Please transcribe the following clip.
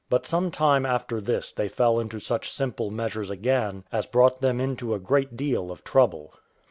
But some time after this they fell into such simple measures again as brought them into a great deal of trouble.